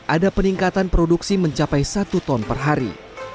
ada peningkatan produksi mencapai satu ton per hari